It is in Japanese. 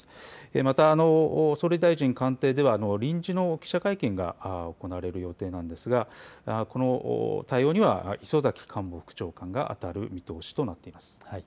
また総理大臣官邸では臨時の記者会見が行われる予定なんですがこの対応には磯崎官房副長官があたる見通しとなっています。